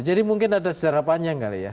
jadi mungkin ada sejarah panjang kali ya